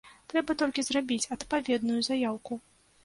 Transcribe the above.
Трэба толькі зрабіць адпаведную заяўку.